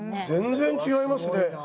全然違いますね。